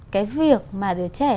cái việc mà đứa trẻ